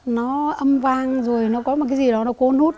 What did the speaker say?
nó âm vang rồi nó có một cái gì đó nó cố nút